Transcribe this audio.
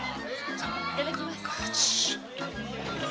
いただきます。